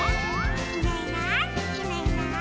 「いないいないいないいない」